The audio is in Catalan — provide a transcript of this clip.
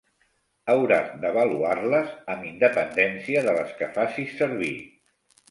Hauràs d'avaluar-les amb independència de les que facis servir.